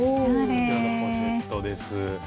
こちらのポシェットです。